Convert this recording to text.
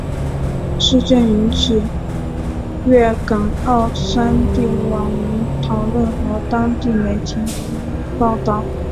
事件引起粤港澳三地网民讨论和当地媒体报导。